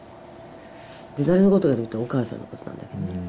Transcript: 誰のことかというたらお母さんのことなんだけどね。